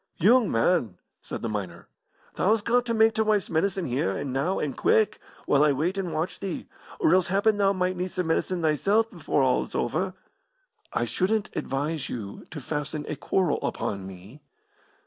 "Yoong man," said the miner, "thou's got to mak' t' wife's medicine here, and now, and quick, while I wait and watch thee, or else happen thou might need some medicine thysel' before all is over." "I shouldn't advise you to fasten a quarrel upon me."